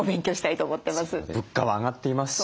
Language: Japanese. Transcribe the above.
物価は上がっていますし。